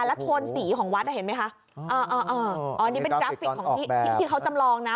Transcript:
และโทนสีของวัดเห็นไหมคะอันนี้เป็นกราฟิกที่เขาจำลองนะ